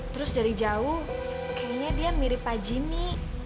terus dari jauh kayaknya dia mirip pak jimmy